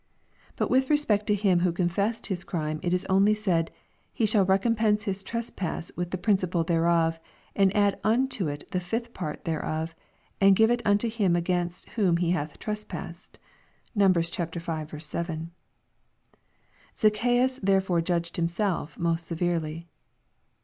Bat with respect to him who confessed his crime it ia only said, * he shall recompense his trespass with the princi})al thereof, and add unto it the fifth part thereof, and give it unto him against whom he hath trespassed.* (Numb. v. 7.) Zacchaeua therefore judged himself most severely."